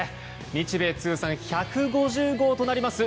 日米通算１５０号となります